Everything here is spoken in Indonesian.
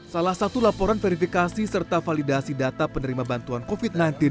salah satu laporan verifikasi serta validasi data penerima bantuan covid sembilan belas